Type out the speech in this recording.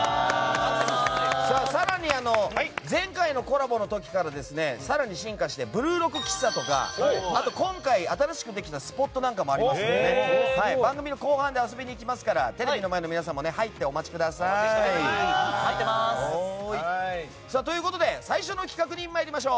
更に、前回のコラボの時から更に進化して「ブルーロック」喫茶とか今回、新しくできたスポットもありますので番組の後半で遊びに行きますからテレビの前の皆さんも入って、お待ちください。ということで最初の企画に参りましょう。